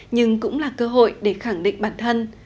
nhưng cũng là cơ hội để khẳng định bản thân